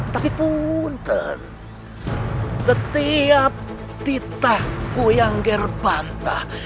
tapi punten setiap titahku yang gerbantah